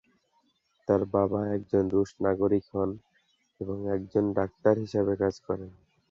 তার বাবা একজন রুশ নাগরিক হন এবং একজন ডাক্তার হিসেবে কাজ করেন।